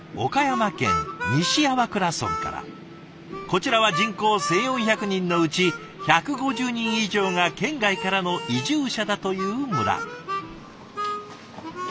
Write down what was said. こちらは人口１，４００人のうち１５０人以上が県外からの移住者だという村。